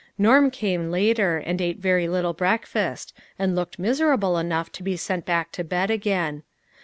Norm came later, and ate very little breakfast, and looked miserable enough to be sent back to bed again.